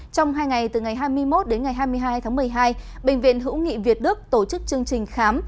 trong hai ngày từ ngày hai mươi một đến ngày hai mươi hai tháng một mươi hai bệnh viện hữu nghị việt đức tổ chức chương trình khám